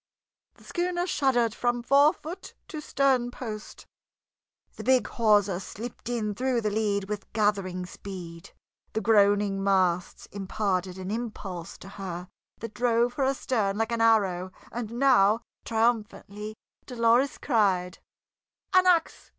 The schooner shuddered from forefoot to sternpost; the big hawser slipped in through the lead with gathering speed; the groaning masts imparted an impulse to her that drove her astern like an arrow, and now, triumphantly, Dolores cried: "An ax!